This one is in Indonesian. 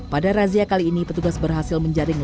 pada razia kali ini petugas berhasil menjaring